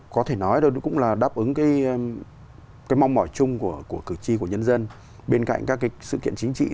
có thể nói là cũng là đáp ứng cái mong mỏi chung của cử tri của nhân dân bên cạnh các sự kiện chính trị